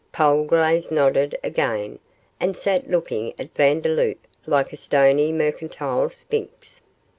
Polglaze nodded again, and sat looking at Vandeloup like a stony mercantile sphinx.